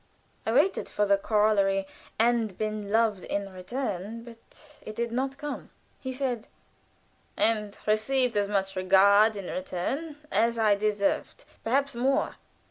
I waited for the corollary, "and been loved in return," but it did not come. He said, "And received as much regard in return as I deserved perhaps more."